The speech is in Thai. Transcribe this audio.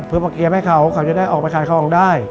เพื่อมาเคลียร์ให้เขาเขาจะได้ออกไปขายของได้